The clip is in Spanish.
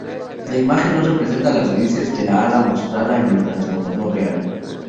La imagen no representa las raíces del ala mostrada en el transbordador real.